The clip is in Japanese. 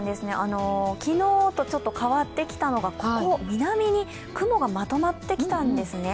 昨日とちょっと変わってきたのが南に雲がまとまってきたんですね。